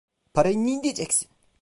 Parayı nideceksin?